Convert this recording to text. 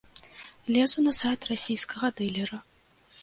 Лезу на сайт расійскага дылера.